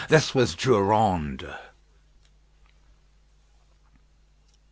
This was Durande.